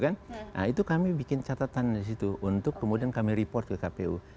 nah itu kami bikin catatan di situ untuk kemudian kami report ke kpu